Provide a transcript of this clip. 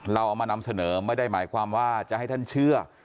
เราเอามานำเสนอไม่ได้หมายความว่าจะให้ท่านเชื่อ